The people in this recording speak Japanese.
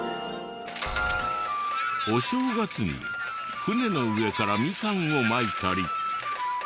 お正月に船の上からミカンをまいたり。